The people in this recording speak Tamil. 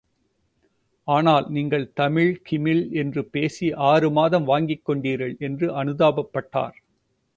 ஆனால் நீங்கள் தமிழ் கிமிழ் என்று பேசி ஆறுமாதம் வாங்கிக் கொண்டீர்கள் என்று அனுதாபப்பட்டார்.